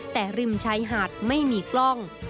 แต่ริมชายหาดไม่มีกล้อง